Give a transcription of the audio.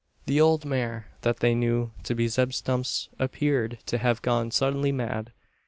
The old mare that they knew to be Zeb Stump's appeared to have gone suddenly mad.